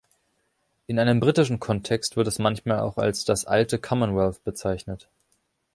In einem britischen Kontext wird es manchmal auch als das „alte Commonwealth“ bezeichnet.